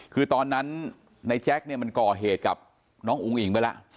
คือตอนนั้นนายแจ็คมันก่อเหตุกับน้องอูงอิ่งไปแล้ว